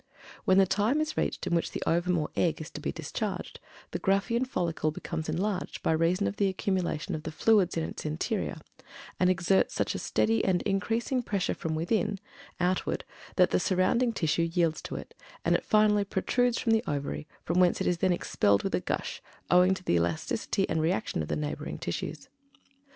When the time is reached in which the ovum or egg is to be discharged, the Graafian follicle becomes enlarged by reason of the accumulation of the fluids in its interior, and exerts such a steady and increasing pressure from within, outward, that the surrounding tissue yields to it, and it finally protrudes from the Ovary, from whence it is then expelled with a gush, owing to the elasticity and reaction of the neighboring tissues.